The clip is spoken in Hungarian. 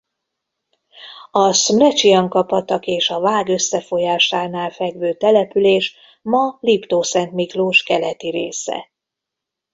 A Szmrecsianka-patak és a Vág összefolyásánál fekvő település ma Liptószentmiklós keleti része.